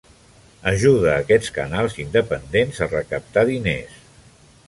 Ajuda a aquests canals independents a recaptar diners.